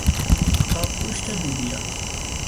آبگوشت لوبیا